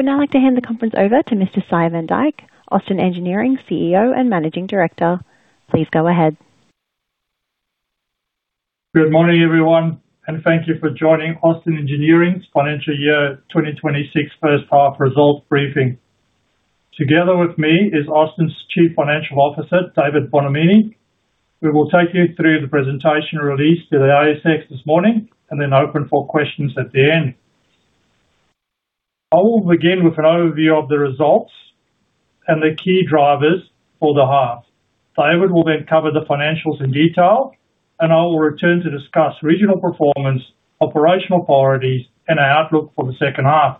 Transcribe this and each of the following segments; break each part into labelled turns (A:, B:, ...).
A: I would now like to hand the conference over to Mr. Sy van Dyk, Austin Engineering CEO and Managing Director. Please go ahead.
B: Good morning, everyone, and thank you for joining Austin Engineering's financial year 2026 first half results briefing. Together with me is Austin's Chief Financial Officer, David Bonomini. We will take you through the presentation released to the ASX this morning and then open for questions at the end. I will begin with an overview of the results and the key drivers for the half. David will then cover the financials in detail, and I will return to discuss regional performance, operational priorities, and our outlook for the second half.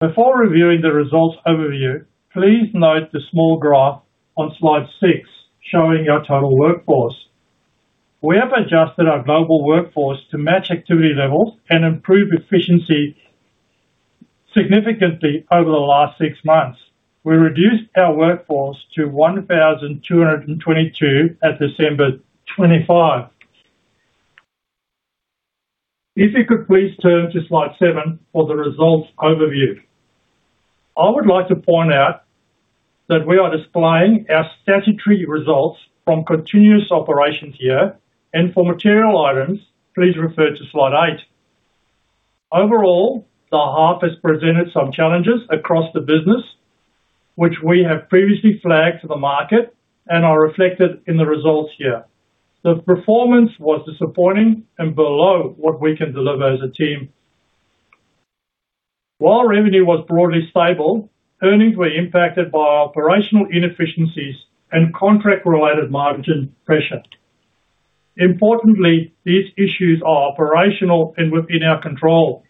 B: Before reviewing the results overview, please note the small graph on slide six showing our total workforce. We have adjusted our global workforce to match activity levels and improve efficiency significantly over the last six months. We reduced our workforce to 1,222 at December 25. If you could please turn to slide seven for the results overview. I would like to point out that we are displaying our statutory results from continuous operations year and for material items, please refer to slide eight. Overall, the half has presented some challenges across the business, which we have previously flagged to the market and are reflected in the results here. The performance was disappointing and below what we can deliver as a team. While revenue was broadly stable, earnings were impacted by operational inefficiencies and contract-related margin pressure. Importantly, these issues are operational and within our control,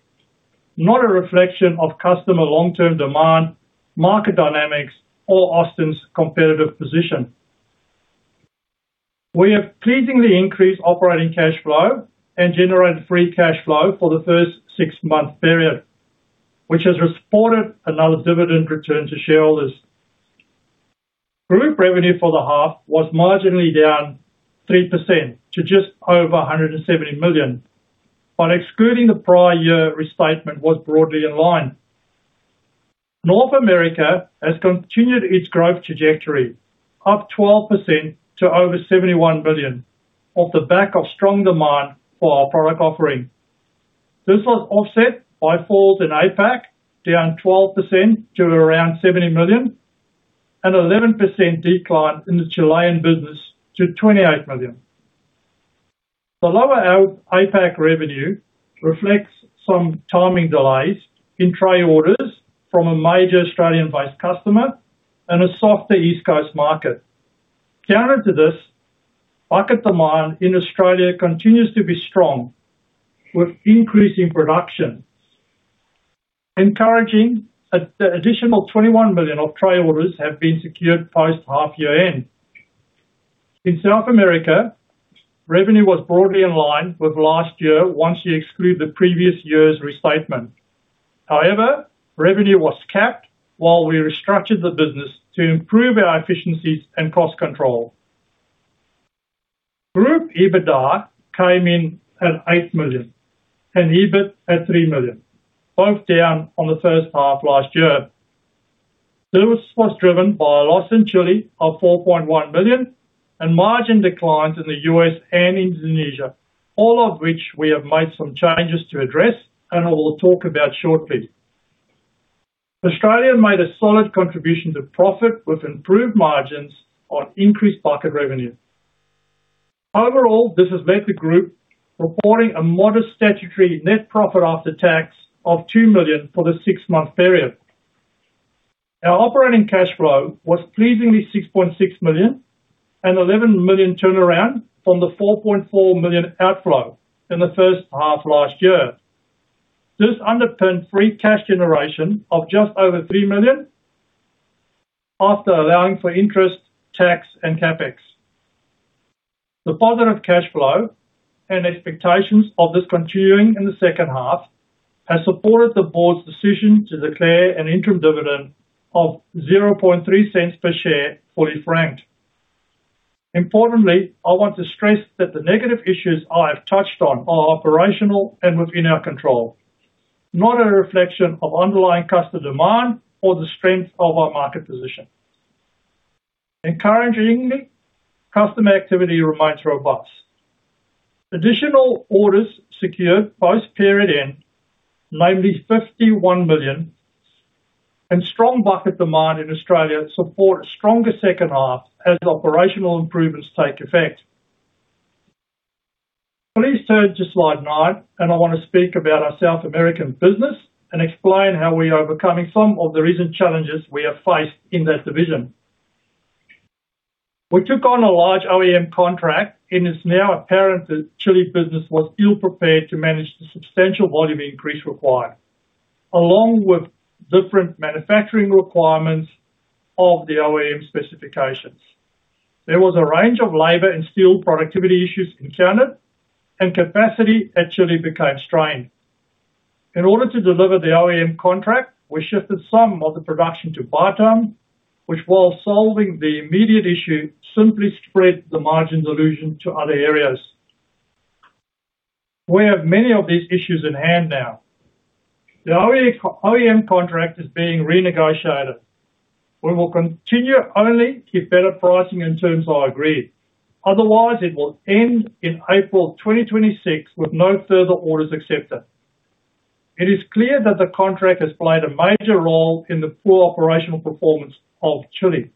B: not a reflection of customer long-term demand, market dynamics, or Austin's competitive position. We have pleasingly increased operating cash flow and generated free cash flow for the first six-month period, which has supported another dividend return to shareholders. Group revenue for the half was marginally down 3% to just over 170 million, but excluding the prior year restatement was broadly in line. North America has continued its growth trajectory, up 12% to over 71 billion, off the back of strong demand for our product offering. This was offset by falls in APAC, down 12% to around 70 million and 11% decline in the Chilean business to 28 million. The lower out APAC revenue reflects some timing delays in trade orders from a major Australian-based customer and a softer East Coast market. Counter to this, market demand in Australia continues to be strong, with increasing production. Encouraging, an additional 21 million of trade orders have been secured post half-year end. In South America, revenue was broadly in line with last year once you exclude the previous year's restatement. Revenue was capped while we restructured the business to improve our efficiencies and cost control. Group EBITDA came in at 8 million and EBIT at 3 million, both down on the first half last year. This was driven by a loss in Chile of 4.1 billion and margin declines in the U.S. and Indonesia, all of which we have made some changes to address, and I will talk about shortly. Australia made a solid contribution to profit, with improved margins on increased Bucket revenue. This has left the group reporting a modest statutory net profit after tax of 2 million for the six-month period. Our operating cash flow was pleasingly 6.6 million, an 11 million turnaround from the 4.4 million outflow in the first half last year. This underpinned free cash generation of just over 3 million after allowing for interest, tax, and CapEx. The positive cash flow and expectations of this continuing in the second half has supported the board's decision to declare an interim dividend of 0.003 per share, fully franked. Importantly, I want to stress that the negative issues I have touched on are operational and within our control, not a reflection of underlying customer demand or the strength of our market position. Encouragingly, customer activity remains robust. Additional orders secured post period end, namely 51 million, and strong Bucket demand in Australia support a stronger second half as operational improvements take effect. Please turn to slide nine, and I want to speak about our South American business and explain how we are overcoming some of the recent challenges we have faced in that division. We took on a large OEM contract. It's now apparent that Chile business was ill-prepared to manage the substantial volume increase required, along with different manufacturing requirements of the OEM specifications. There was a range of labor and skill productivity issues encountered, and capacity actually became strained. In order to deliver the OEM contract, we shifted some of the production to Batam, which, while solving the immediate issue, simply spread the margin dilution to other areas. We have many of these issues in hand now. The OEM contract is being renegotiated. We will continue only if better pricing and terms are agreed, otherwise, it will end in April 2026 with no further orders accepted. It is clear that the contract has played a major role in the poor operational performance of Chile,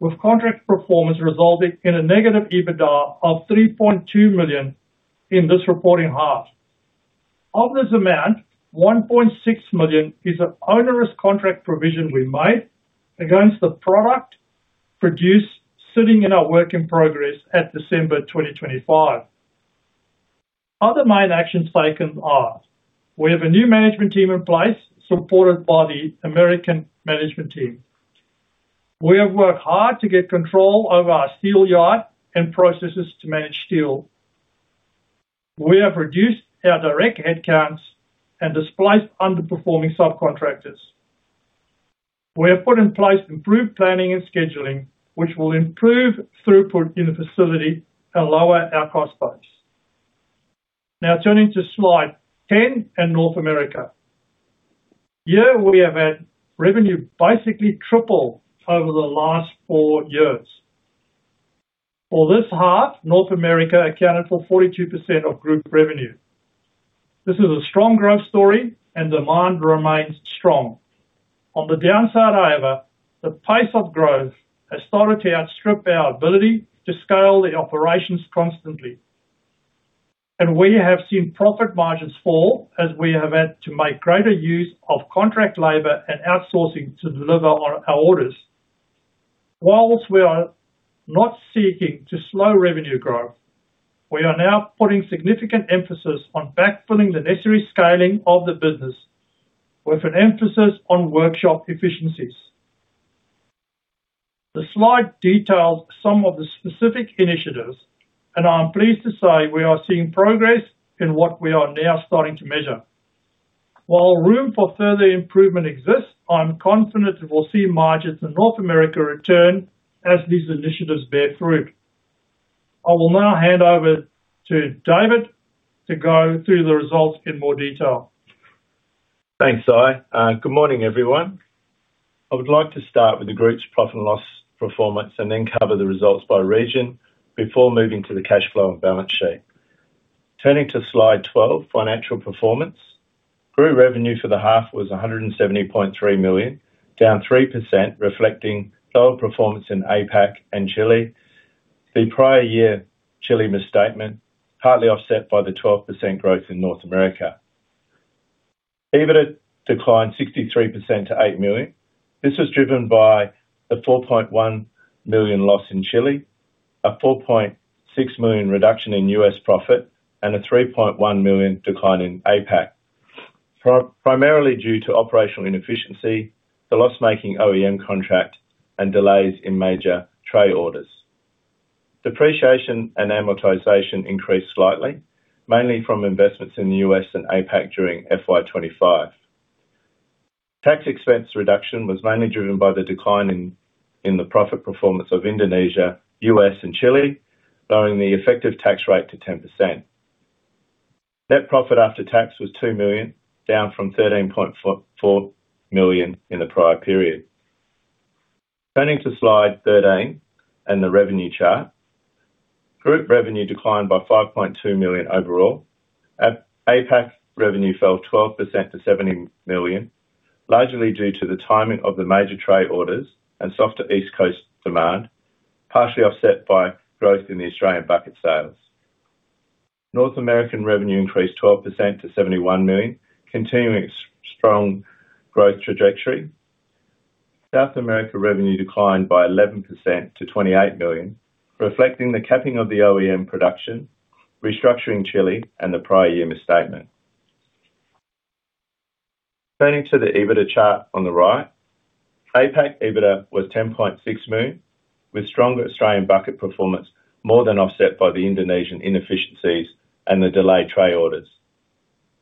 B: with contract performance resulting in a negative EBITDA of 3.2 million in this reporting half. Of this amount, 1.6 million is an onerous contract provision we made against the product produced, sitting in our work in progress at December 2025. Other main actions taken are: We have a new management team in place, supported by the American management team. We have worked hard to get control over our steel yard and processes to manage steel. We have reduced our direct headcounts and displaced underperforming subcontractors. We have put in place improved planning and scheduling, which will improve throughput in the facility and lower our cost base. Turning to slide 10 and North America. Here, we have had revenue basically triple over the last four years. For this half, North America accounted for 42% of group revenue. This is a strong growth story, and demand remains strong. On the downside, however, the pace of growth has started to outstrip our ability to scale the operations constantly. We have seen profit margins fall as we have had to make greater use of contract labor and outsourcing to deliver on our orders. While we are not seeking to slow revenue growth, we are now putting significant emphasis on backfilling the necessary scaling of the business with an emphasis on workshop efficiencies. The slide details some of the specific initiatives, and I am pleased to say we are seeing progress in what we are now starting to measure. While room for further improvement exists, I'm confident we will see margins in North America return as these initiatives bear fruit. I will now hand over to David to go through the results in more detail.
C: Thanks, Sy. Good morning, everyone. I would like to start with the group's profit and loss performance and then cover the results by region before moving to the cash flow and balance sheet. Turning to slide 12: financial performance. Group revenue for the half was 170.3 million, down 3%, reflecting lower performance in APAC and Chile. The prior year, Chile misstatement, partly offset by the 12% growth in North America. EBITDA declined 63% to 8 million. This was driven by the 4.1 million loss in Chile, a 4.6 million reduction in U.S. profit, and a 3.1 million decline in APAC. Primarily due to operational inefficiency, the loss-making OEM contract and delays in major tray orders. Depreciation and amortization increased slightly, mainly from investments in the U.S. and APAC during FY 2025. Tax expense reduction was mainly driven by the decline in the profit performance of Indonesia, U.S., and Chile, lowering the effective tax rate to 10%. Net profit after tax was 2 million, down from 13.4 million in the prior period. Turning to slide 13 and the revenue chart. Group revenue declined by 5.2 million overall. APAC revenue fell 12% to 70 million, largely due to the timing of the major tray orders and softer East Coast demand, partially offset by growth in the Australian Bucket sales. North American revenue increased 12% to 71 million, continuing its strong growth trajectory. South America revenue declined by 11% to 28 million, reflecting the capping of the OEM production, restructuring Chile, and the prior year misstatement. Turning to the EBITDA chart on the right. APAC EBITDA was 10.6 million, with stronger Australian Bucket performance more than offset by the Indonesian inefficiencies and the delayed tray orders.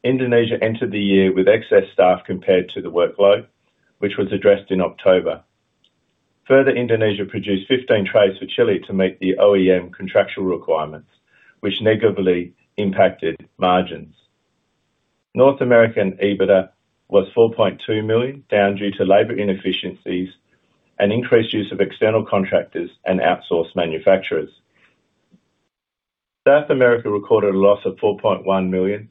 C: Indonesia entered the year with excess staff compared to the workload, which was addressed in October. Indonesia produced 15 trays for Chile to meet the OEM contractual requirements, which negatively impacted margins. North American EBITDA was 4.2 million, down due to labor inefficiencies and increased use of external contractors and outsourced manufacturers. South America recorded a loss of 4.1 million,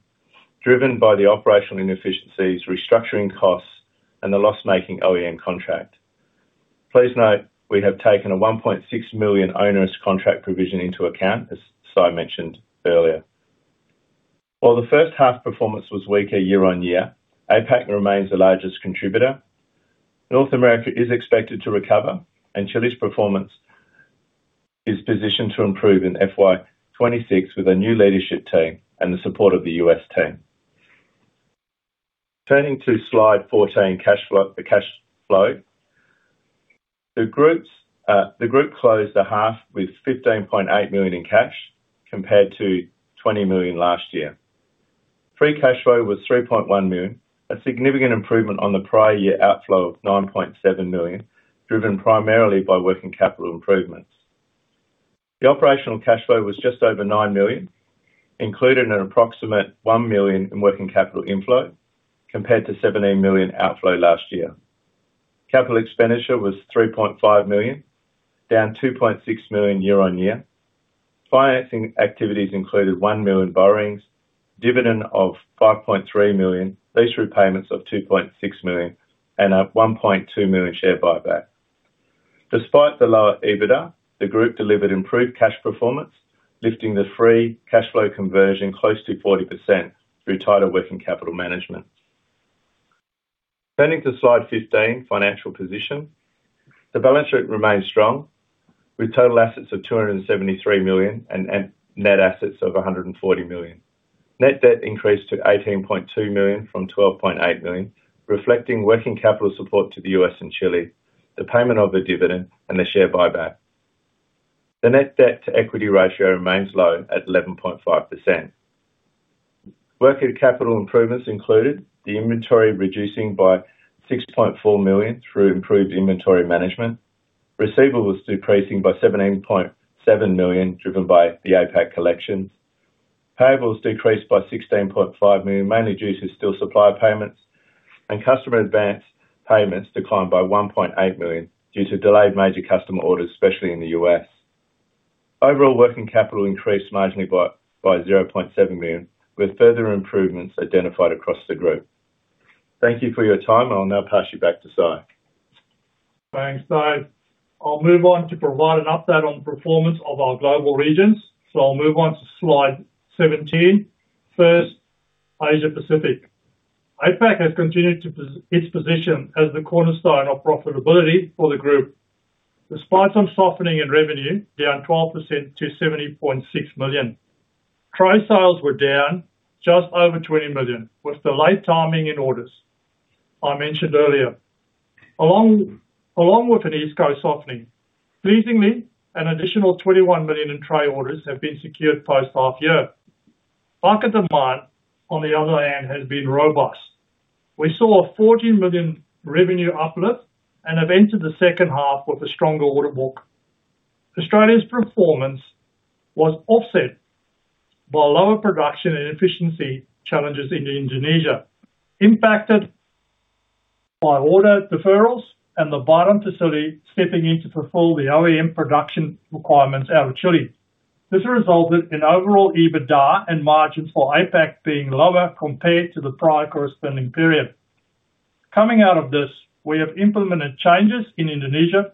C: driven by the operational inefficiencies, restructuring costs, and the loss-making OEM contract. Please note, we have taken an 1.6 million onerous contract provision into account, as Sy mentioned earlier. While the first half performance was weaker year-on-year, APAC remains the largest contributor. North America is expected to recover. Chile's performance is positioned to improve in FY 2026 with a new leadership team and the support of the U.S. team. Turning to slide 14: cash flow. The group closed the half with 15.8 million in cash, compared to 20 million last year. Free cash flow was 3.1 million, a significant improvement on the prior year outflow of 9.7 million, driven primarily by working capital improvements. The operational cash flow was just over 9 million, including an approximate 1 million in working capital inflow, compared to 17 million outflow last year. CapEx was 3.5 million, down 2.6 million year-on-year. Financing activities included 1 million borrowings, dividend of 5.3 million, lease repayments of 2.6 million, and a 1.2 million share buyback. Despite the lower EBITDA, the group delivered improved cash performance, lifting the free cash flow conversion close to 40% through tighter working capital management. Turning to slide 15, financial position. The balance sheet remains strong, with total assets of 273 million and net assets of 140 million. Net debt increased to 18.2 million from 12.8 million, reflecting working capital support to the U.S. and Chile, the payment of the dividend, and the share buyback. The net debt to equity ratio remains low at 11.5%. Working capital improvements included the inventory reducing by 6.4 million through improved inventory management. Receivable decreasing by 17.7 million, driven by the APAC collections. Payables decreased by 16.5 million, mainly due to steel supply payments. Customer advance payments declined by 1.8 million due to delayed major customer orders, especially in the U.S. Overall, working capital increased marginally by 0.7 million, with further improvements identified across the group. Thank you for your time, and I'll now pass you back to Sy.
B: Thanks, Dave. I'll move on to provide an update on the performance of our global regions. I'll move on to slide 17. First, Asia Pacific. APAC has continued to its position as the cornerstone of profitability for the group. Despite some softening in revenue, down 12% to 70.6 million. Trade sales were down just over 20 million, with the late timing in orders I mentioned earlier. Along with an East Coast softening, pleasingly, an additional 21 million in trade orders have been secured post-half year. Market demand, on the other hand, has been robust. We saw a 40 million revenue uplift and have entered the second half with a stronger order book. Australia's performance was offset by lower production and efficiency challenges in Indonesia, impacted by order deferrals and the Batam facility stepping in to fulfill the OEM production requirements out of Chile. This resulted in overall EBITDA and margins for APAC being lower compared to the prior corresponding period. Coming out of this, we have implemented changes in Indonesia,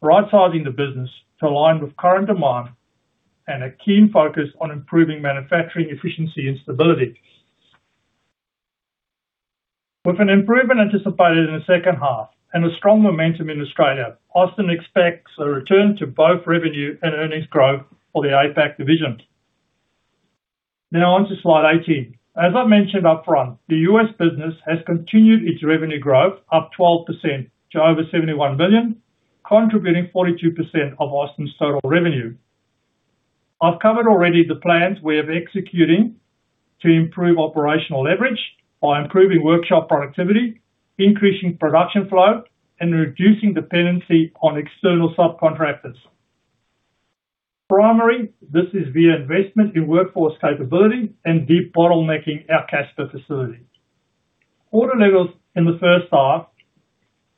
B: right-sizing the business to align with current demand, and a keen focus on improving manufacturing efficiency and stability. With an improvement anticipated in the second half and a strong momentum in Australia, Austin expects a return to both revenue and earnings growth for the APAC division. On to slide 18. As I mentioned upfront, the U.S. business has continued its revenue growth, up 12% to over 71 billion, contributing 42% of Austin's total revenue. I've covered already the plans we are executing to improve operational leverage by improving workshop productivity, increasing production flow, and reducing dependency on external subcontractors. Primarily, this is via investment in workforce capability and de-bottlenecking our Casper facility. Order levels in the first half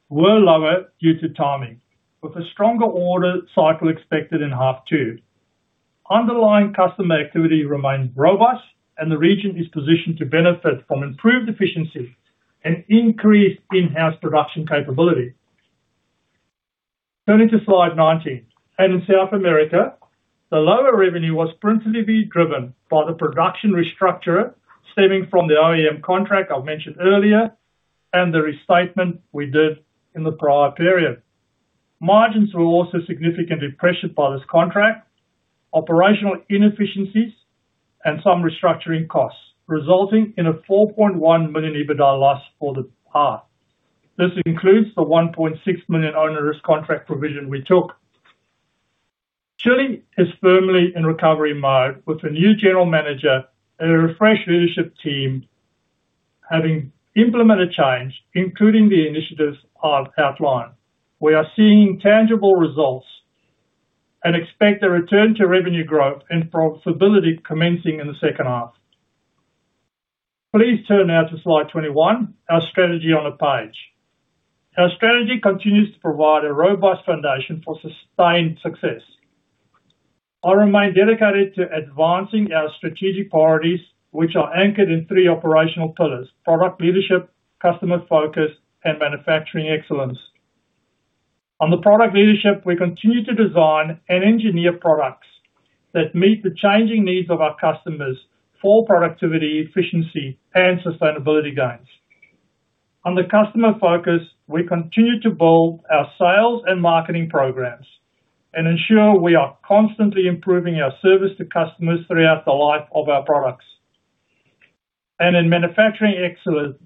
B: were lower due to timing, with a stronger order cycle expected in half two. Underlying customer activity remains robust. The region is positioned to benefit from improved efficiency and increased in-house production capability. Turning to slide 19. In South America, the lower revenue was principally driven by the production restructure stemming from the OEM contract I mentioned earlier and the restatement we did in the prior period. Margins were also significantly pressured by this contract. Operational inefficiencies and some restructuring costs, resulting in a 4.1 million EBITDA loss for the half. This includes the 1.6 million onerous contract provision we took. Chile is firmly in recovery mode, with a new general manager and a refreshed leadership team having implemented change, including the initiatives I've outlined. We are seeing tangible results and expect a return to revenue growth and profitability commencing in the second half. Please turn now to slide 21, our strategy on a page. Our strategy continues to provide a robust foundation for sustained success. I remain dedicated to advancing our strategic priorities, which are anchored in three operational pillars: product leadership, customer focus, and manufacturing excellence. On the product leadership, we continue to design and engineer products that meet the changing needs of our customers for productivity, efficiency, and sustainability gains. On the customer focus, we continue to build our sales and marketing programs and ensure we are constantly improving our service to customers throughout the life of our products. In manufacturing excellence,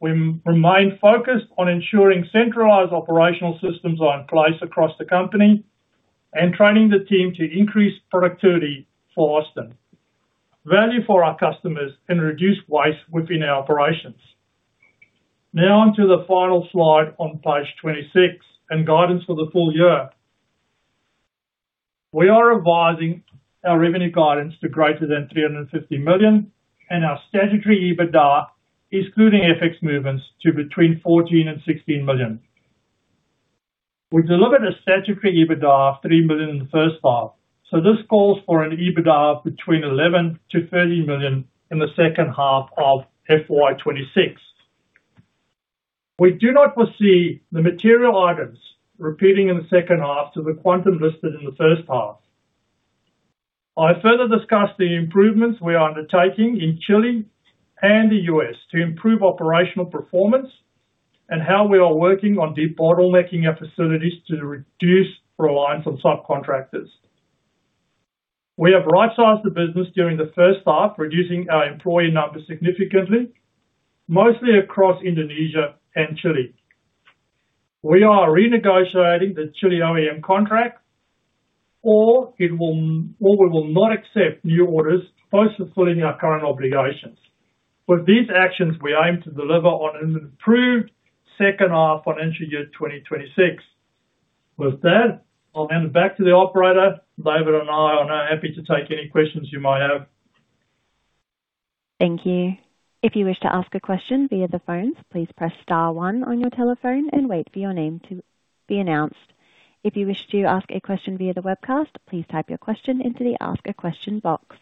B: we remain focused on ensuring centralized operational systems are in place across the company, and training the team to increase productivity for Austin. Value for our customers and reduce waste within our operations. On to the final slide on page 26, guidance for the full year. We are revising our revenue guidance to greater than 350 million, and our statutory EBITDA, excluding FX movements, to between 14 million and 16 million. We delivered a statutory EBITDA of 3 million in the first half, this calls for an EBITDA of between 11 million-13 million in the second half of FY 2026. We do not foresee the material items repeating in the second half to the quantum listed in the first half. I further discussed the improvements we are undertaking in Chile and the U.S. to improve operational performance and how we are working on de-bottlenecking our facilities to reduce reliance on subcontractors. We have rightsized the business during the first half, reducing our employee numbers significantly, mostly across Indonesia and Chile. We are renegotiating the Chile OEM contract, or we will not accept new orders post fulfilling our current obligations. With these actions, we aim to deliver on an improved second half financial year 2026. I'll hand it back to the operator. David and I are now happy to take any questions you might have.
A: Thank you. If you wish to ask a question via the phones, please press star one on your telephone and wait for your name to be announced. If you wish to ask a question via the webcast, please type your question into the Ask a Question box.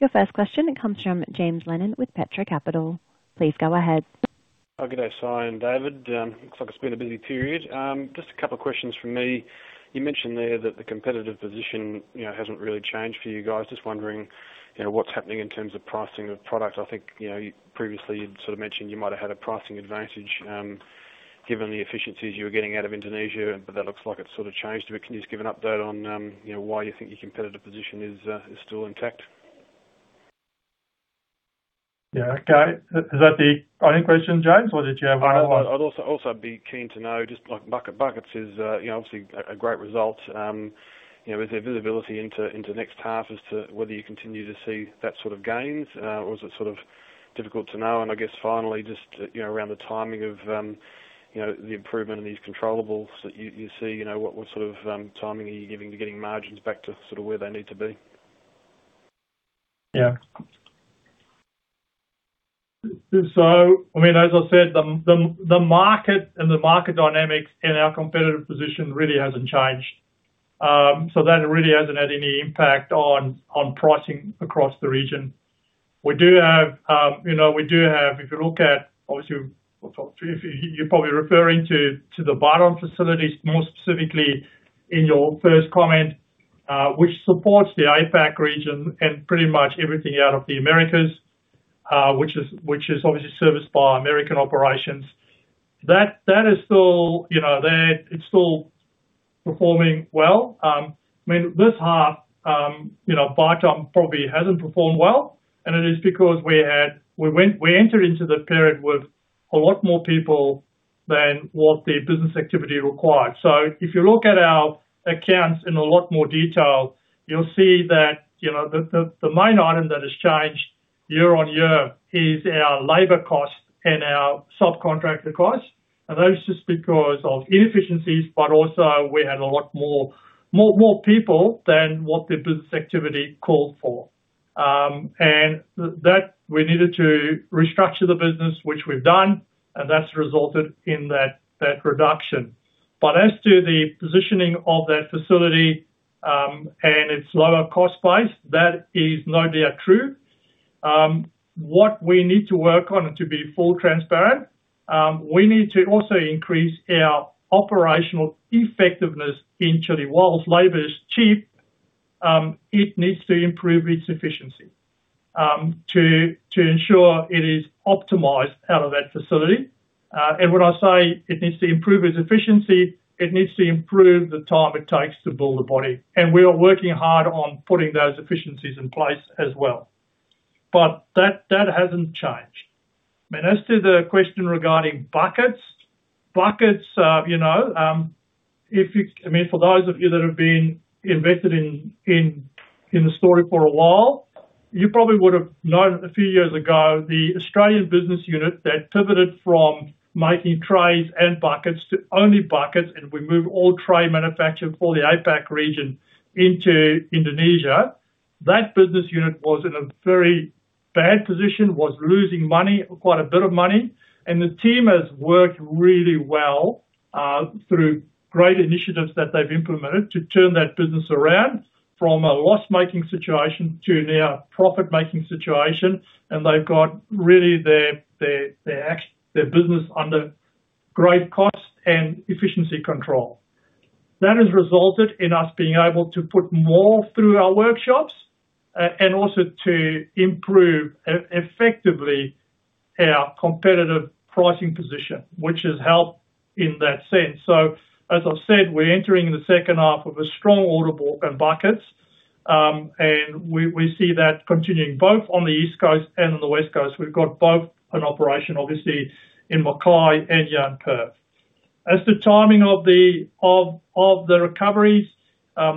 A: Your first question comes from James Lennon with Petra Capital. Please go ahead.
D: Oh, good day, Sy and David. Looks like it's been a busy period. Just a couple of questions from me. You mentioned there that the competitive position, you know, hasn't really changed for you guys. Just wondering, you know, what's happening in terms of pricing of product. I think, you know, you previously had sort of mentioned you might have had a pricing advantage, given the efficiencies you were getting out of Indonesia, but that looks like it's sort of changed. Can you just give an update on, you know, why you think your competitive position is still intact?
B: Yeah. Okay. Is that the only question, James, or did you have more?
D: I'd also be keen to know, just like Buckets is, you know, obviously a great result. You know, is there visibility into next half as to whether you continue to see that sort of gains, or is it sort of difficult to know? I guess finally, just, you know, around the timing of, you know, the improvement in these controllables that you see, you know, what sort of timing are you giving to getting margins back to sort of where they need to be?
B: I mean, as I said, the market and the market dynamics and our competitive position really hasn't changed. That really hasn't had any impact on pricing across the region. We do have, you know, we do have, if you look at, obviously, well, if you're probably referring to the Batam facilities, more specifically in your first comment, which supports the APAC region and pretty much everything out of the Americas, which is obviously serviced by American operations. That is still, you know, it's still performing well. I mean, this half, you know, Batam probably hasn't performed well, and it is because we entered into the period with a lot more people than what the business activity required. If you look at our accounts in a lot more detail, you'll see that, you know, the main item that has changed year-on-year is our labor cost and our subcontractor costs, and that is just because of inefficiencies, but also we had a lot more people than what the business activity called for. And that we needed to restructure the business, which we've done, and that's resulted in that reduction. As to the positioning of that facility, and its lower cost base, that is no doubt true. What we need to work on to be full transparent, we need to also increase our operational effectiveness in Chile. Whilst labor is cheap, it needs to improve its efficiency, to ensure it is optimized out of that facility. When I say it needs to improve its efficiency, it needs to improve the time it takes to build a body, and we are working hard on putting those efficiencies in place as well. That hasn't changed. I mean, as to the question regarding Buckets. You know, I mean, for those of you that have been invested in the story for a while, you probably would have known a few years ago, the Australian business unit that pivoted from making trays and Buckets to only Buckets, and we moved all tray manufacturing for the APAC region into Indonesia. That business unit was in a very bad position, was losing money, quite a bit of money. The team has worked really well through great initiatives that they've implemented to turn that business around from a loss-making situation to now a profit-making situation. They've got really their business under great cost and efficiency control. That has resulted in us being able to put more through our workshops and also to improve effectively our competitive pricing position, which has helped in that sense. As I've said, we're entering the second half with a strong order book in Buckets. We see that continuing both on the East Coast and on the West Coast. We've got both an operation, obviously, in Mackay and down Perth. As the timing of the recoveries,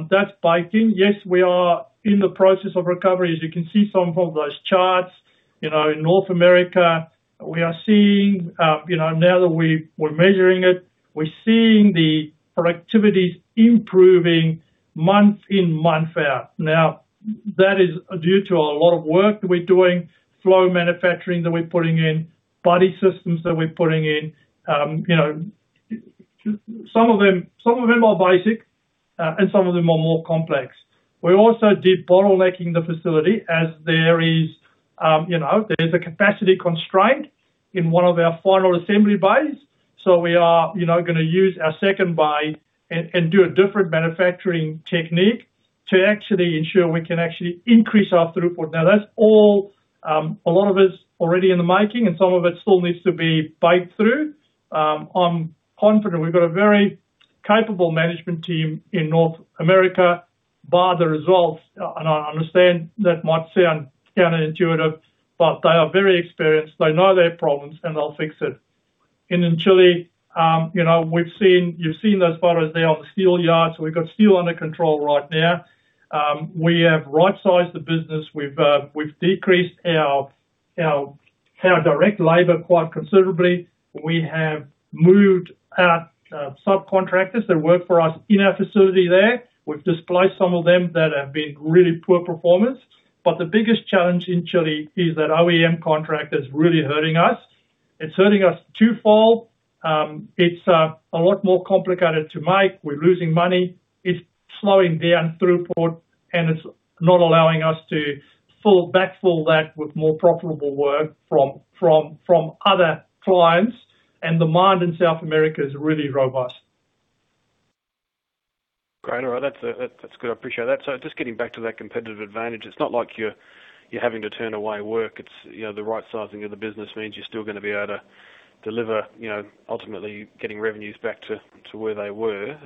B: that's baking. Yes, we are in the process of recovery. As you can see from those charts, you know, in North America, we are seeing, you know, now that we're measuring it, we're seeing the productivities improving month in, month out. Now, that is due to a lot of work that we're doing, flow manufacturing that we're putting in, body systems that we're putting in. You know, some of them are basic, and some of them are more complex. We also did bottlenecking the facility as there is, you know, there is a capacity constraint in one of our final assembly bays, so we are, you know, gonna use our second bay and do a different manufacturing technique to actually ensure we can actually increase our throughput. That's all, a lot of it's already in the making, and some of it still needs to be baked through. I'm confident we've got a very capable management team in North America by the results, and I understand that might sound counterintuitive, but they are very experienced. They know their problems, and they'll fix it. In Chile, you know, we've seen. You've seen those photos there on the steel yard, so we've got steel under control right now. We have right-sized the business. We've decreased our direct labor quite considerably. We have moved our subcontractors that work for us in our facility there. We've displaced some of them that have been really poor performers. The biggest challenge in Chile is that OEM contract is really hurting us. It's hurting us twofold. It's a lot more complicated to make. We're losing money. It's slowing down throughput. It's not allowing us to backfill that with more profitable work from other clients. The mine in South America is really robust.
D: Great. All right. That's good. I appreciate that. Just getting back to that competitive advantage, it's not like you're having to turn away work, it's, you know, the right sizing of the business means you're still gonna be able to deliver, you know, ultimately getting revenues back to where they were.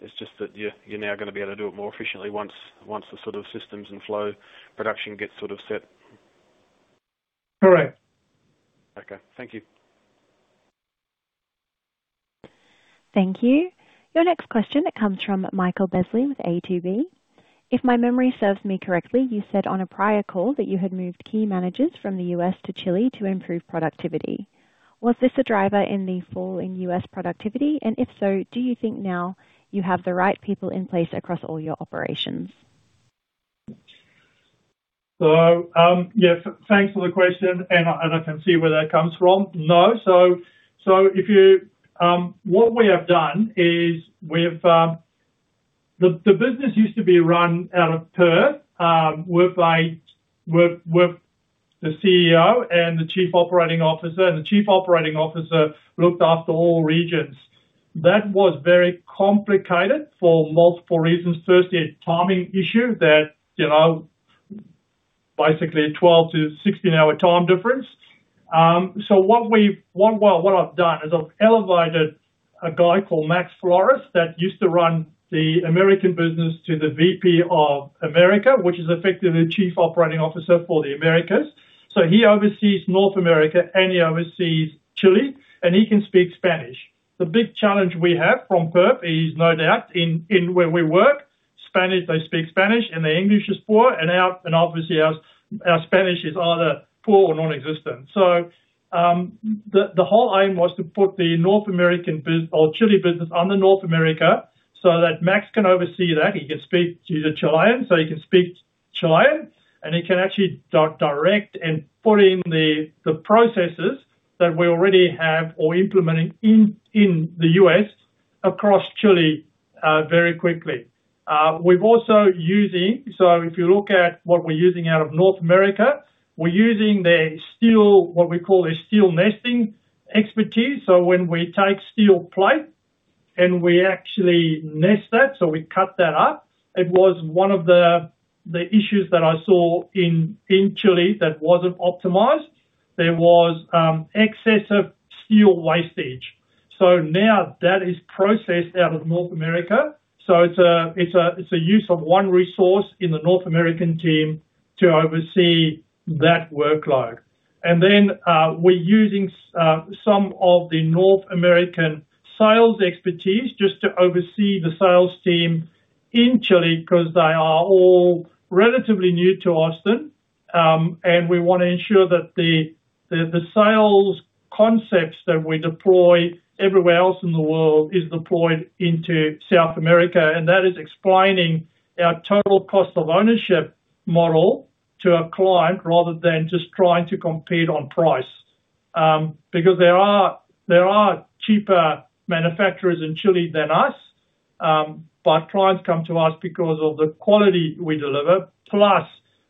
D: It's just that you're now gonna be able to do it more efficiently once the sort of systems and flow production gets sort of set.
B: Correct.
D: Okay. Thank you.
A: Thank you. Your next question comes from Michael Besley with ATB. If my memory serves me correctly, you said on a prior call that you had moved key managers from the U.S. to Chile to improve productivity. Was this a driver in the fall in U.S. productivity? If so, do you think now you have the right people in place across all your operations?
B: Yeah, thanks for the question, and I, and I can see where that comes from. No, so if you, what we have done is we've, the business used to be run out of Perth, with a, with the CEO and the chief operating officer, and the chief operating officer looked after all regions. That was very complicated for multiple reasons. Firstly, a timing issue that, you know, basically a 12 hour-16 hour time difference. What I've done is I've elevated a guy called Max Flores, that used to run the American business, to the VP of Americas, which is effectively the chief operating officer for the Americas. He oversees North America, and he oversees Chile, and he can speak Spanish. The big challenge we have from Perth is no doubt in where we work. Spanish, they speak Spanish, and their English is poor, and our, and obviously our Spanish is either poor or non-existent. The whole aim was to put the North American or Chile business under North America so that Max can oversee that. He can speak to the Chilean, so he can speak Chilean, and he can actually direct and put in the processes that we already have or implementing in the U.S. across Chile very quickly. We're also using. If you look at what we're using out of North America, we're using their steel, what we call their steel nesting expertise. When we take steel plate and we actually nest that, so we cut that up, it was one of the issues that I saw in Chile that wasn't optimized. There was excessive steel wastage. Now that is processed out of North America, it's a use of one resource in the North American team to oversee that workload. We're using some of the North American sales expertise just to oversee the sales team in Chile, 'cause they are all relatively new to us then. We wanna ensure that the sales concepts that we deploy everywhere else in the world is deployed into South America, and that is explaining our total cost of ownership model to a client rather than just trying to compete on price. Because there are, there are cheaper manufacturers in Chile than us, but clients come to us because of the quality we deliver, plus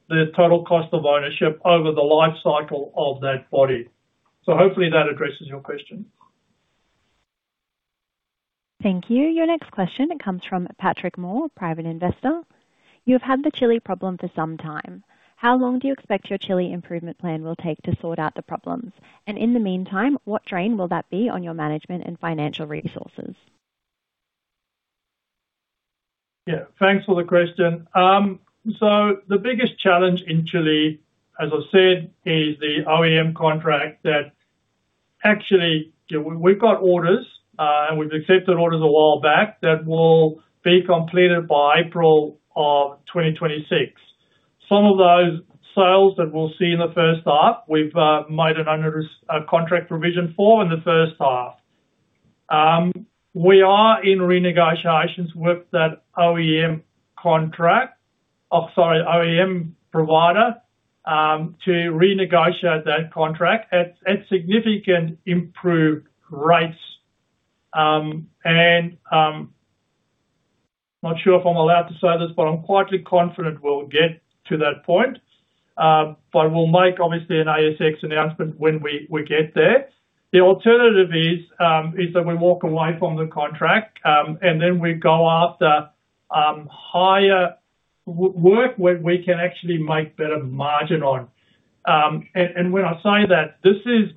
B: the total cost of ownership over the life cycle of that body. Hopefully that addresses your question.
A: Thank you. Your next question comes from Patrick Moore, Private investor. You've had the Chile problem for some time. How long do you expect your Chile improvement plan will take to sort out the problems? In the meantime, what drain will that be on your management and financial resources?
B: Thanks for the question. The biggest challenge in Chile, as I said, is the OEM contract that actually, you know, we've got orders and we've accepted orders a while back that will be completed by April of 2026. Some of those sales that we'll see in the first half, we've made it under contract provision four in the first half. We are in renegotiations with that OEM contract, OEM provider, to renegotiate that contract at significant improved rates. I'm not sure if I'm allowed to say this, but I'm quietly confident we'll get to that point. We'll make obviously an ASX announcement when we get there. The alternative is that we walk away from the contract, and then we go after higher work where we can actually make better margin on. When I say that, this is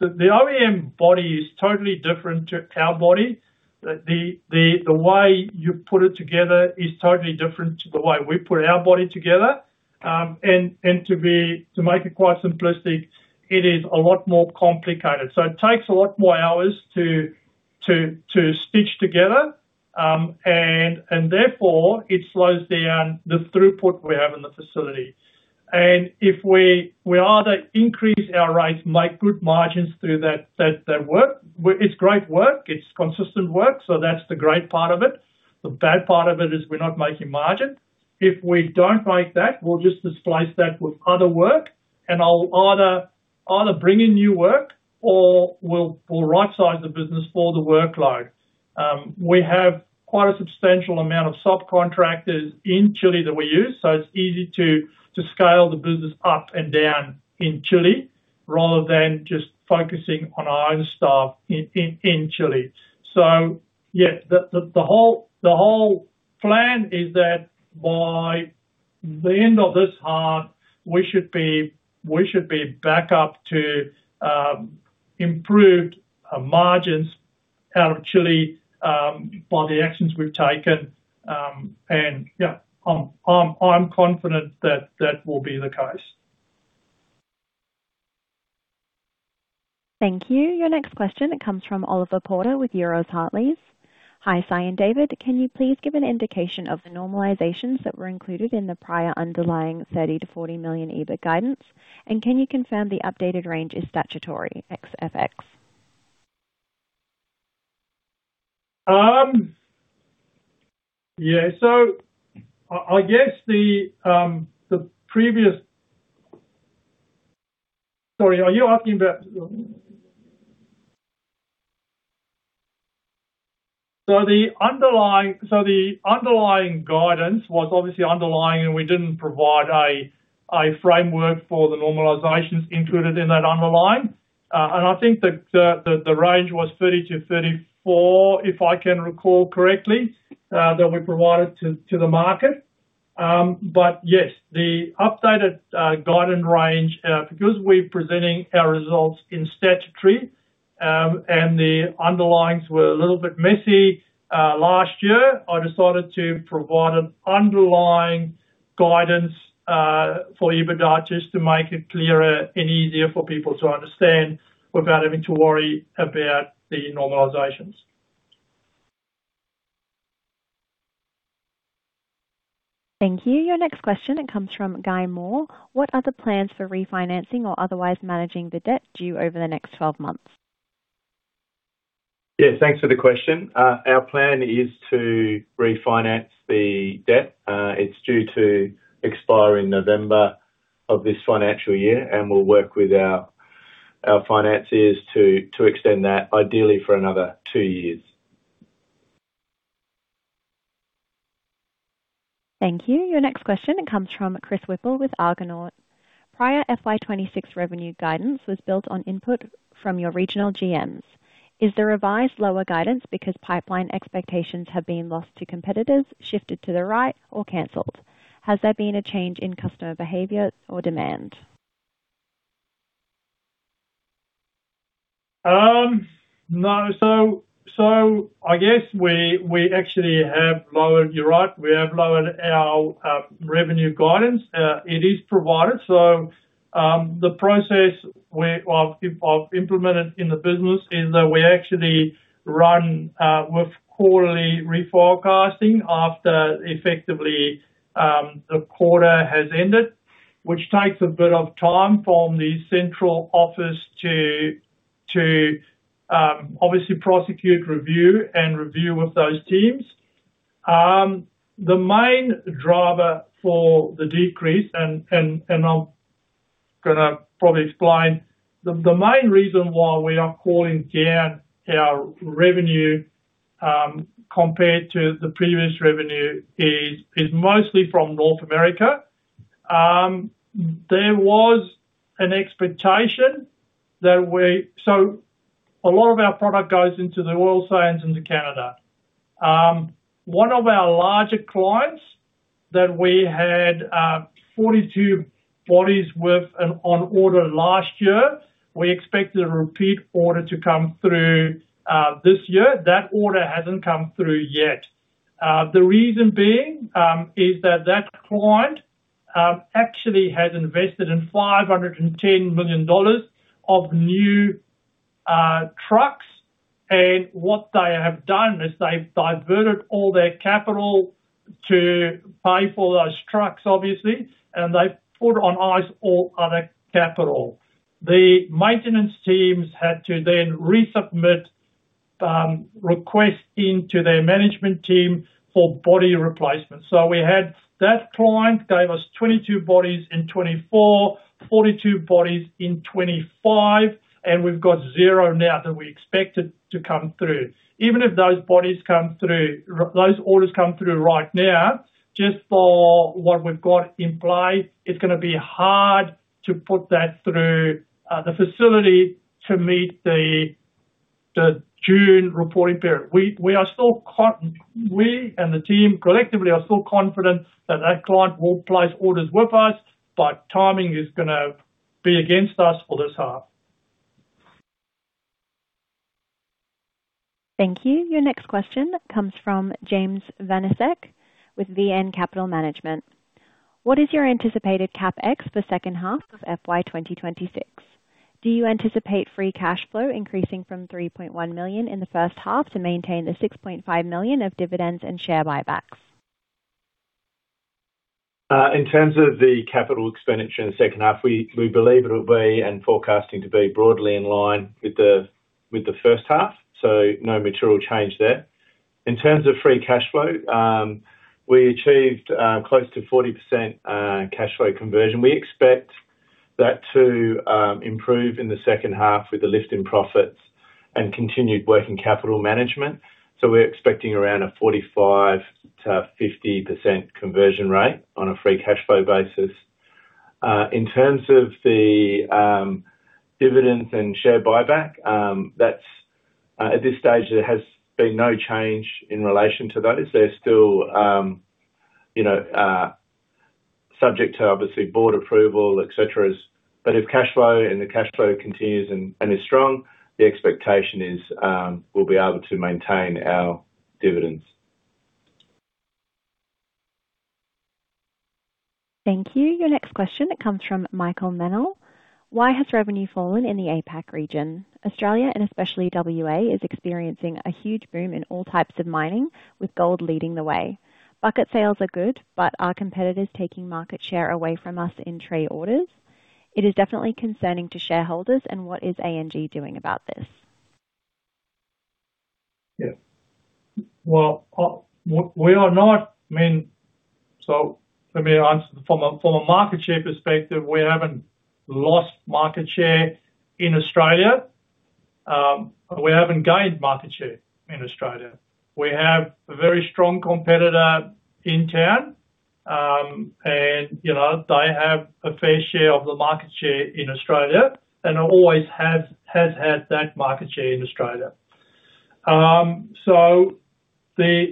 B: the OEM body is totally different to our body. The way you put it together is totally different to the way we put our body together. To make it quite simplistic, it is a lot more complicated. It takes a lot more hours to stitch together, and therefore it slows down the throughput we have in the facility. If we either increase our rates, make good margins through that work, it's great work, it's consistent work, so that's the great part of it. The bad part of it is we're not making margin. If we don't make that, we'll just displace that with other work, and I'll either bring in new work or we'll rightsize the business for the workload. We have quite a substantial amount of subcontractors in Chile that we use, so it's easy to scale the business up and down in Chile rather than just focusing on our own staff in Chile. Yes, the whole plan is that by the end of this half, we should be back up to improved margins out of Chile by the actions we've taken. Yeah, I'm confident that that will be the case.
A: Thank you. Your next question comes from Oliver Porter with Euroz Hartleys. Hi, Sy and David. Can you please give an indication of the normalizations that were included in the prior underlying 30 million-40 million EBIT guidance? Can you confirm the updated range is statutory ex FX?
B: Yeah. I guess the previous... Sorry, are you asking about the underlying? The underlying guidance was obviously underlying, and we didn't provide a framework for the normalizations included in that underlying. I think that the range was 30 million-34 million, if I can recall correctly, that we provided to the market. Yes, the updated guidance range, because we're presenting our results in statutory, and the underlyings were a little bit messy last year, I decided to provide an underlying guidance for EBITDA just to make it clearer and easier for people to understand without having to worry about the normalizations.
A: Thank you. Your next question comes from Guy Moore. What are the plans for refinancing or otherwise managing the debt due over the next 12 months?
C: Yeah, thanks for the question. Our plan is to refinance the debt. It's due to expire in November of this financial year, and we'll work with our financiers to extend that ideally for another two years.
A: Thank you. Your next question comes from Chris Wippl with Argonaut. Prior FY 2026 revenue guidance was built on input from your regional GMs. Is there revised lower guidance because pipeline expectations have been lost to competitors, shifted to the right, or canceled? Has there been a change in customer behavior or demand?
B: No. I guess we actually have lowered, you're right, we have lowered our revenue guidance. It is provided. The process I've implemented in the business is that we actually run with quarterly reforecasting after effectively the quarter has ended, which takes a bit of time from the central office to obviously prosecute, review, and review with those teams. The main driver for the decrease, and I'm gonna probably explain, the main reason why we are calling down our revenue compared to the previous revenue is mostly from North America. There was an expectation that a lot of our product goes into the oil sands into Canada. One of our larger clients that we had 42 bodies with an on order last year. We expected a repeat order to come through this year. That order hasn't come through yet. The reason being is that that client actually has invested in 510 million dollars of new trucks. What they have done is they've diverted all their capital to pay for those trucks, obviously, and they've put on ice all other capital. The maintenance teams had to then resubmit requests into their management team for body replacements. We had that client gave us 22 bodies in 2024, 42 bodies in 2025, and we've got zero now that we expected to come through. Even if those orders come through right now, just for what we've got in play, it's gonna be hard to put that through the facility to meet the June reporting period. We and the team collectively are still confident that client will place orders with us. Timing is gonna be against us for this half.
A: Thank you. Your next question comes from James Vanasek with VN Capital Management. What is your anticipated CapEx for second half of FY 2026? Do you anticipate free cash flow increasing from 3.1 million in the first half to maintain the 6.5 million of dividends and share buybacks?
C: In terms of the capital expenditure in the second half, we believe it'll be and forecasting to be broadly in line with the first half. No material change there. In terms of free cash flow, we achieved close to 40% cash flow conversion. We expect that to improve in the second half with the lift in profits and continued working capital management. We're expecting around a 45%-50% conversion rate on a free cash flow basis. In terms of the dividends and share buyback, that's at this stage, there has been no change in relation to those. They're still, you know, subject to obviously board approval, et cetera. If cashflow and the cashflow continues and is strong, the expectation is, we'll be able to maintain our dividends.
A: Thank you. Your next question comes from Michael Mennel. Why has revenue fallen in the APAC region? Australia, especially WA, is experiencing a huge boom in all types of mining, with gold leading the way. Are competitors taking market share away from us in trade orders? It is definitely concerning to shareholders, and what is ANG doing about this?
B: Yeah. Well, we are not, I mean. Let me answer. From a market share perspective, we haven't lost market share in Australia, but we haven't gained market share in Australia. We have a very strong competitor in town, and, you know, they have a fair share of the market share in Australia and always has had that market share in Australia.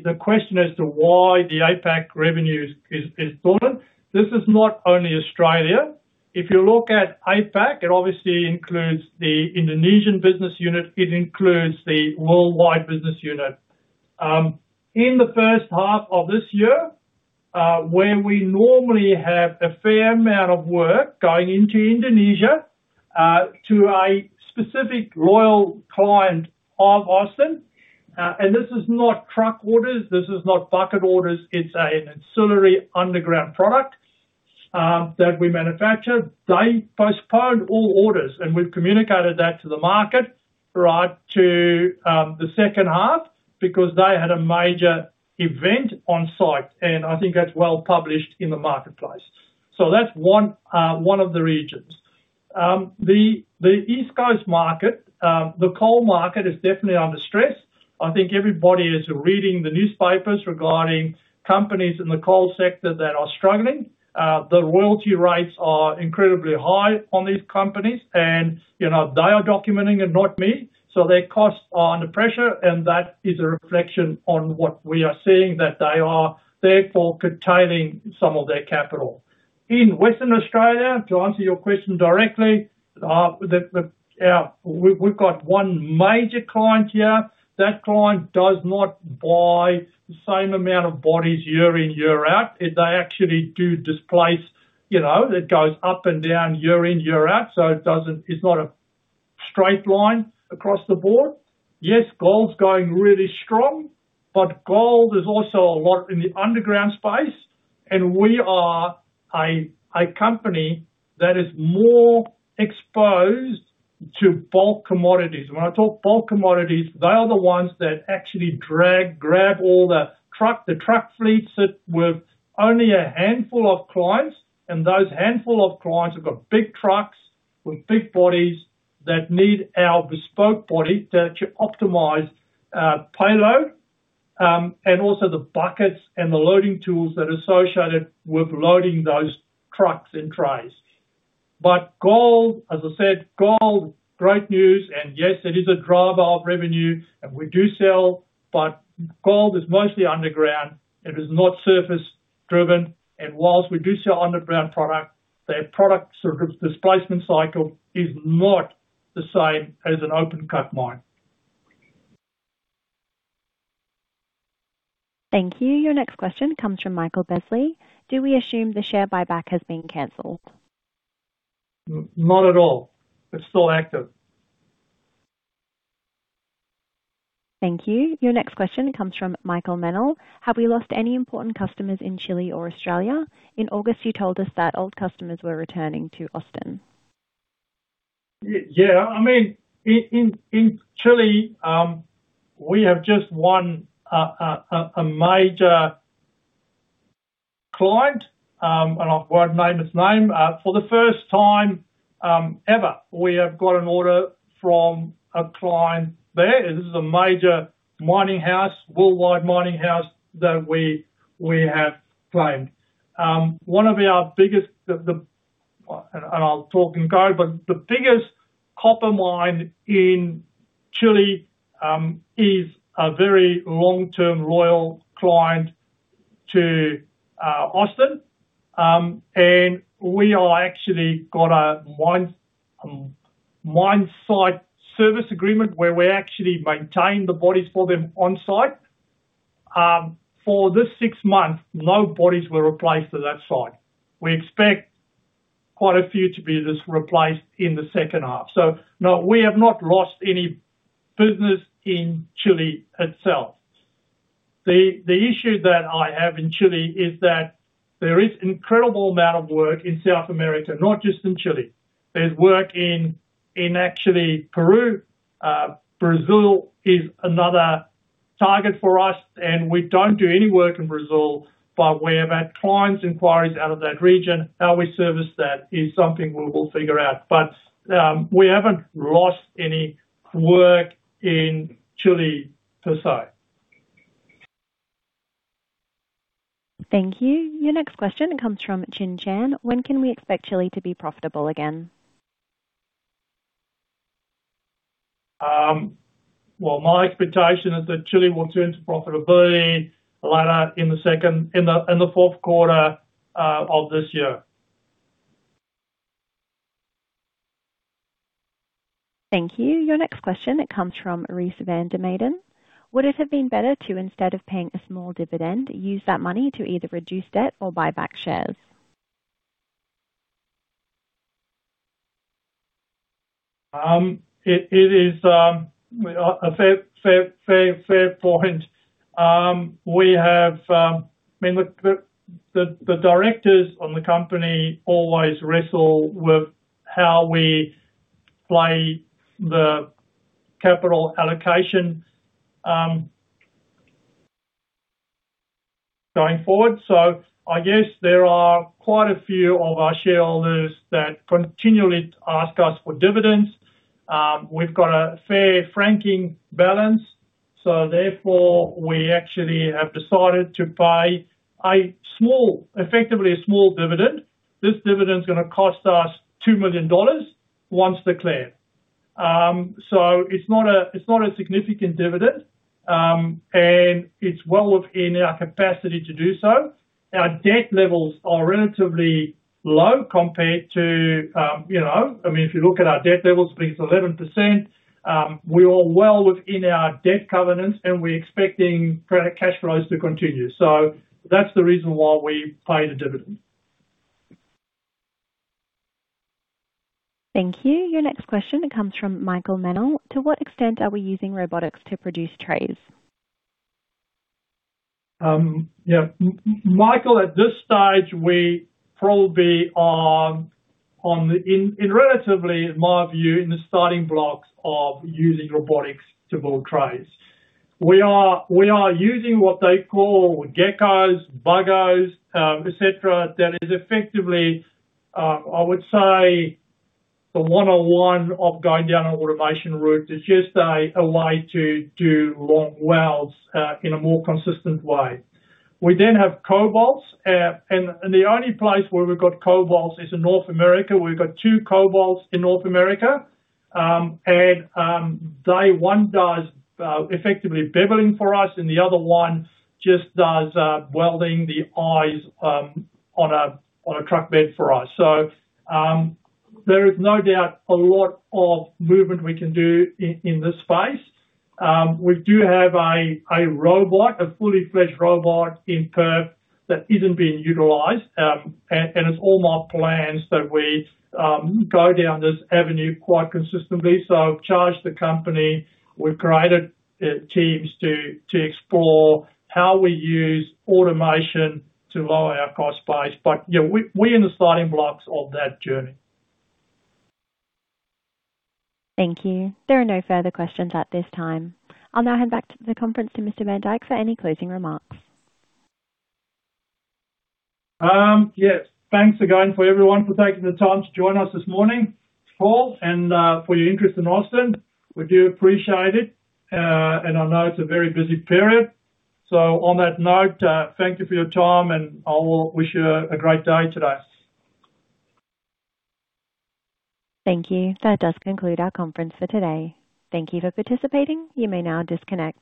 B: The question as to why the APAC revenues is fallen, this is not only Australia. If you look at APAC, it obviously includes the Indonesian business unit, it includes the worldwide business unit. In the first half of this year, where we normally have a fair amount of work going into Indonesia, to a specific loyal client of Austin, and this is not truck orders, this is not Bucket orders, it's an ancillary underground product, that we manufacture. They postponed all orders, and we've communicated that to the market, right to the second half, because they had a major event on site, and I think that's well published in the marketplace. That's one of the regions. The East Coast market, the coal market is definitely under stress. I think everybody is reading the newspapers regarding companies in the coal sector that are struggling. The royalty rates are incredibly high on these companies and, you know, they are documenting and not me. Their costs are under pressure and that is a reflection on what we are seeing, that they are therefore containing some of their capital. In Western Australia, to answer your question directly, we've got one major client here. That client does not buy the same amount of bodies year in, year out. They actually do displace, you know, that goes up and down, year in, year out, so it's not a straight line across the board. Gold's going really strong, gold is also a lot in the underground space, we are a company that is more exposed to bulk commodities. When I talk bulk commodities, they are the ones that actually drag, grab all the truck fleets that with only a handful of clients, and those handful of clients have got big trucks with big bodies that need our bespoke body that optimize payload and also the Buckets and the loading tools that are associated with loading those trucks and trays. Gold, as I said, great news. Yes, it is a driver of revenue, we do sell, gold is mostly underground. It is not surface driven. Whilst we do sell underground product, their product sort of displacement cycle is not the same as an open-cut mine.
A: Thank you. Your next question comes from Michael Besley. Do we assume the share buyback has been canceled?
B: Not at all. It's still active.
A: Thank you. Your next question comes from Michael Mennel. Have we lost any important customers in Chile or Australia? In August, you told us that old customers were returning to Austin.
B: Yeah, I mean, in Chile, we have just won a major client. I won't name his name. For the first time, ever, we have got an order from a client there. This is a major mining house, worldwide mining house that we have claimed. One of our biggest, and I'll talk and go, the biggest copper mine in Chile is a very long-term, loyal client to Austin. We are actually got a mine site service agreement where we actually maintain the bodies for them on site. For this six months, no bodies were replaced at that site. We expect quite a few to be just replaced in the second half. No, we have not lost any business in Chile itself. The issue that I have in Chile is that there is incredible amount of work in South America, not just in Chile. There's work in actually Peru. Brazil is another target for us, and we don't do any work in Brazil, but we have had clients inquiries out of that region. How we service that is something we'll all figure out, but we haven't lost any work in Chile per se.
A: Thank you. Your next question comes from Chin Chan. When can we expect Chile to be profitable again?
B: My expectation is that Chile will turn to profitability later in the fourth quarter of this year.
A: Thank you. Your next question comes from Reese Vander Maiden. Would it have been better to, instead of paying a small dividend, use that money to either reduce debt or buy back shares?
B: It is a fair point. We have... I mean, look, the directors on the company always wrestle with how we play the capital allocation going forward. I guess there are quite a few of our shareholders that continually ask us for dividends. We've got a fair franking balance, therefore we actually have decided to pay a small, effectively a small dividend. This dividend is gonna cost us 2 million dollars once declared. It's not a significant dividend, and it's well within our capacity to do so. Our debt levels are relatively low compared to, you know, I mean, if you look at our debt levels, I think it's 11%. We are well within our debt covenants, and we're expecting credit cash flows to continue. That's the reason why we paid a dividend.
A: Thank you. Your next question comes from Michael Mennel. To what extent are we using robotics to produce trays?
B: Yeah. Michael, at this stage, we probably are on the, in relatively, in my view, in the starting blocks of using robotics to build trays. We are using what they call Gecko, Bug-O, et cetera. That is effectively, I would say the one-on-one of going down an automation route. It's just a way to do long welds in a more consistent way. We then have cobot, and the only place where we've got cobot is in North America. We've got two cobot in North America. And they, one does effectively beveling for us, and the other one just does welding the eyes on a truck bed for us. There is no doubt a lot of movement we can do in this space. We do have a robot, a fully-fledged robot in Perth that isn't being utilized. It's all my plans that we go down this avenue quite consistently. I've charged the company. We've created teams to explore how we use automation to lower our cost base. You know, we're in the starting blocks of that journey.
A: Thank you. There are no further questions at this time. I'll now hand back to the conference to Mr. van Dyk for any closing remarks.
B: Yes. Thanks again for everyone for taking the time to join us this morning, Paul, and for your interest in Austin. We do appreciate it, and I know it's a very busy period. On that note, thank you for your time, and I'll wish you a great day today.
A: Thank you. That does conclude our conference for today. Thank you for participating. You may now disconnect.